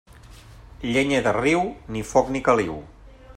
Llenya de riu, ni foc ni caliu.